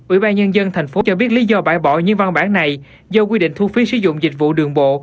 ủy ban nhân dân thành phố cho biết lý do bài bỏ những văn bản này do quy định thu phí sử dụng dịch vụ đường bộ